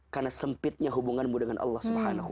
karena sempitnya hubunganmu dengan allah